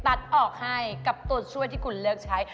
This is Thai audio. ตัดออกให้กับตัวช่วยที่คุณเลือกใช้